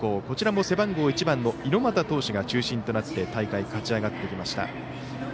こちらも背番号１番の猪俣投手が中心となって大会勝ち上がってきました。